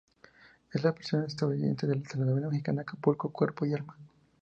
Es la versión estadounidense de la telenovela mexicana Acapulco, cuerpo y alma.